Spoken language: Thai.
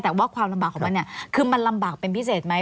แต่ว่าความลำบากของมันเนี่ยคือมันลำบากเป็นพิเศษไหม